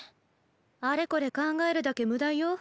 あれこれ考えるだけ無駄よ。